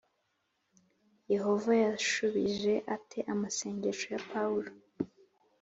Yehova yashubije ate amasengesho ya Pawulo